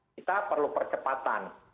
kita perlu percepatan